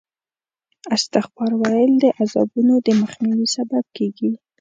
استغفار ویل د عذابونو د مخنیوي سبب کېږي.